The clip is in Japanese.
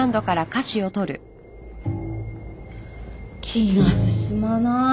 気が進まない。